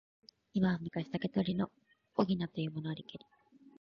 今は昔、竹取の翁というものありけり。